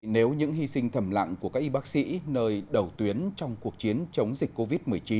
nếu những hy sinh thầm lặng của các y bác sĩ nơi đầu tuyến trong cuộc chiến chống dịch covid một mươi chín